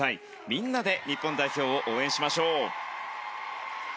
みんなで日本代表を応援しましょう！